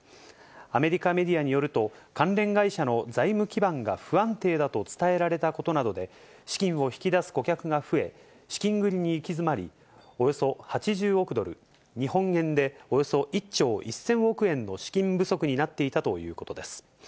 アメリカメディアによると、関連会社の財務基盤が不安定だと伝えられたことなどで、資金を引き出す顧客が増え、資金繰りに行き詰まり、およそ８０億ドル、日本円でおよそ１兆１０００億円の資金不足になっていたということです。